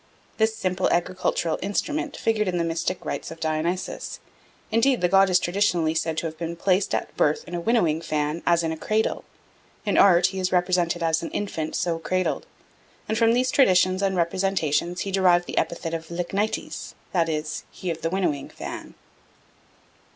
This simple agricultural instrument figured in the mystic rites of Dionysus; indeed the god is traditionally said to have been placed at birth in a winnowing fan as in a cradle: in art he is represented as an infant so cradled; and from these traditions and representations he derived the epithet of Liknites, that is, "He of the Winnowing fan."